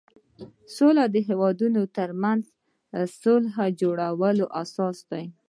سوله د هېوادونو ترمنځ د صلحې جوړولو یوه اساس ده.